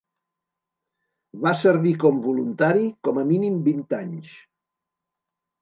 Va servir com voluntari com a mínim vint anys.